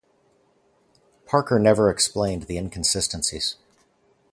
Parker never explained the inconsistencies.